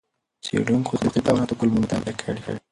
څېړونکو د مختلفو حیواناتو کولمو مطالعې کړې.